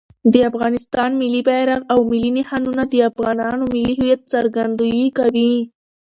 د افغانستان ملي بیرغ او ملي نښانونه د افغانانو د ملي هویت څرګندویي کوي.